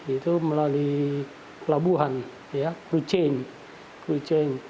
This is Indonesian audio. itu melalui pelabuhan kru change